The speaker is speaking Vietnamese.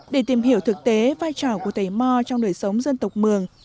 để tìm hiểu thực tế vai trò của thầy mò trong đời sống dân tộc mường